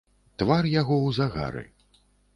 Твар яго ў загары.